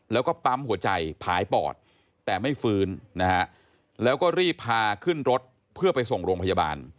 แล้วก็ปั๊มหัวใจผายปอดแต่ไม่ฟื้นนะฮะแล้วก็รีบพาขึ้นรถเพื่อไปส่งโรงพยาบาล